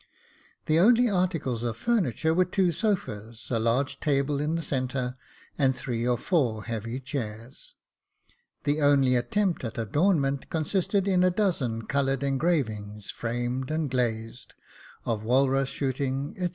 The only articles of furniture were two sofas, a large table in the centre, and three or four heavy chairs. The only attempt at adornment consisted in a dozen coloured engravings, framed and glazed, of walrus shooting, &c.